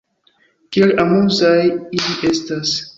Kiel amuzaj ili estas!